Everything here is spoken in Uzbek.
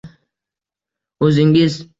“O’zingiz.”